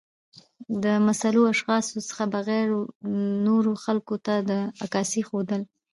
د مسؤلو اشخاصو څخه بغیر و نورو خلګو ته د عکاسۍ ښودل